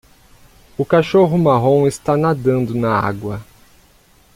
O cachorro marrom está nadando na água